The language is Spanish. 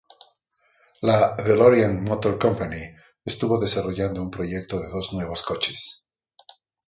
La DeLorean Motor Company estuvo desarrollando un proyecto de dos nuevos coches.